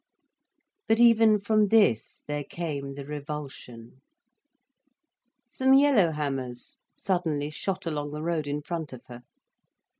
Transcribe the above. But even from this there came the revulsion. Some yellowhammers suddenly shot along the road in front of her.